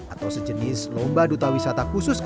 atau sejenis lomba duta wisata khusus